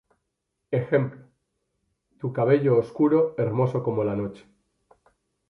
Ejemplo: Tu cabello oscuro hermoso como la noche.